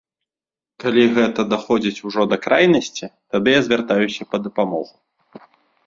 Калі гэта даходзіць ужо да крайнасці, тады я звяртаюся па дапамогу.